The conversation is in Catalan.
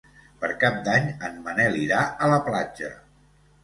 Per Cap d'Any en Manel irà a la platja.